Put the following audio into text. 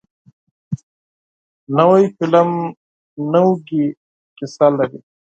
نوی فلم نوې کیسه لري